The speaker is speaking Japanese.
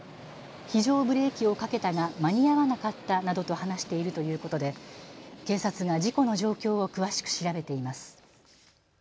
非常ブレーキをかけたが間に合わなかったなどと話しているということで警察が事故の状況を詳しく調べています。